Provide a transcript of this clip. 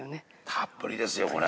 たっぷりですよこれ。